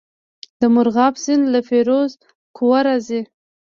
د مرغاب سیند له فیروز کوه راځي